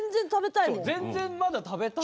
全然まだ食べたく。